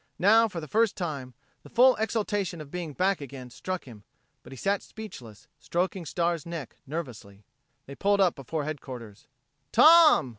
Now, for the first time, the full exultation of being back again struck him; but he sat speechless, stroking Star's neck nervously. They pulled up before headquarters. "Tom!"